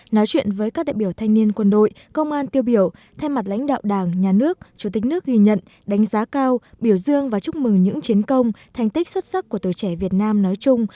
nói chuyện với các đại biểu thanh niên quân đội công an tiêu biểu thay mặt lãnh đạo đảng nhà nước chủ tịch nước ghi nhận đánh giá cao biểu dương và chúc mừng những chiến công thành tích xuất sắc của tuổi trẻ việt nam nói chung